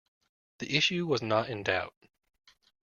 The issue was not in doubt.